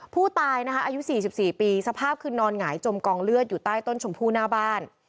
ผู้ตายนะคะอายุ๔๔ปีสภาพคือนอนหงายจมกองเลือดอยู่ใต้ต้นชมพู่หน้าบ้าน